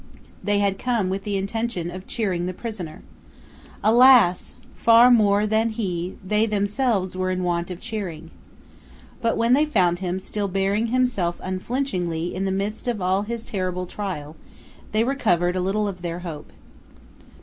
They had come with the intention of cheering the prisoner. Alas! far more than he they themselves were in want of cheering! But when they found him still bearing himself unflinchingly in the midst of his terrible trial, they recovered a little of their hope.